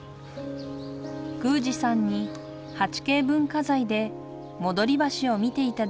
宮司さんに８Ｋ文化財で戻橋を見ていただきます。